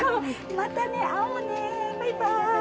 またね会おうねバイバイ。